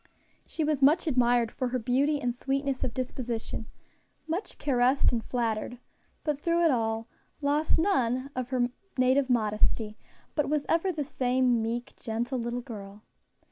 She was much admired for her beauty and sweetness of disposition, much caressed and flattered, but, through it all, lost none of her native modesty, but was ever the same meek, gentle little girl.